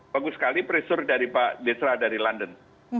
bagus sekali pressure dari pak desra dari london